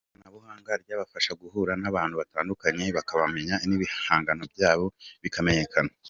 Iri koranabuhanga ryabafasha guhura n’abantu batandukanye bakabamenya n’ibihangano byabo bikamenyekana.